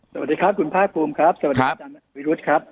สวัสดีครับคุณภาคภูมิครับสวัสดีอาจารย์วิรุธครับ